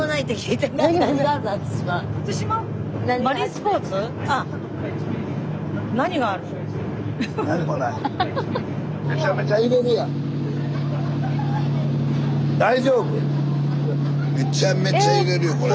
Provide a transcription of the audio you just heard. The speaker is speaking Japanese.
スタジオめちゃめちゃ揺れるよこれ。